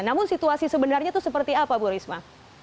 namun situasi sebenarnya itu seperti apa bu risma